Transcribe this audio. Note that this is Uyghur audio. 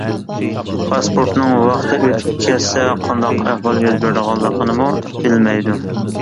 پاسپورتنىڭ ۋاقتى ئۆتۈپ كەتسە قانداق ئەھۋال يۈز بېرىدىغانلىقىنىمۇ بىلمەيدۇ.